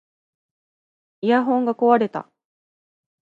イヤホンが壊れた